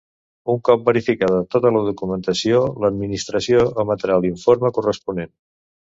Un cop verificada tota la documentació, l'Administració emetrà l'informe corresponent.